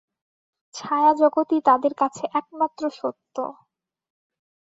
ছায়াজগৎই তাদের কাছে একমাত্র সত্য।